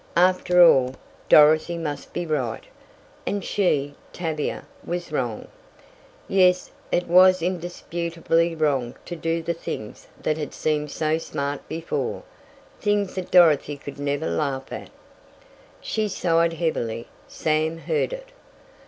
After all, Dorothy must be right and she, Tavia, was wrong. Yes, it was indisputably wrong to do the things that had seemed so smart before things that Dorothy could never laugh at. She sighed heavily. Sam heard it.